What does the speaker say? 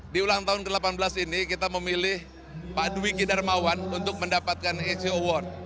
di ulang tahun ke delapan belas ini kita memilih pak dwi ki darmawan untuk mendapatkan eco award